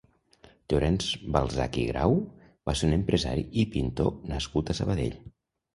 Llorenç Balsac i Grau va ser un empresari i pintor nascut a Sabadell.